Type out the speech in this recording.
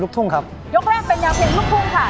ลุคทุ่งครับยกแรกเป็นแนวเพลงลุคทุ่งค่ะ